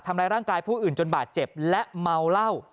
ทำร้ายร่างกายผู้อื่นจนบาดเจ็บและเมาเหล้า